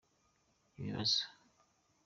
ibibazo.